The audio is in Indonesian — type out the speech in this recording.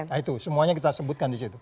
nah itu semuanya kita sebutkan disitu